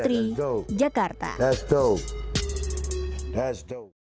sebelumnya dia menanggung kata kata yang tersebut